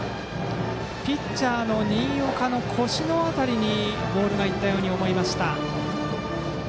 ピッチャーの新岡の腰の辺りにボールが行ったように思いました。